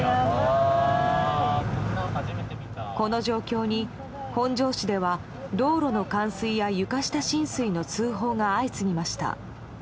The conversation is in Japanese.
この状況に本庄市では道路の冠水や床下浸水の通報が相次ぎました。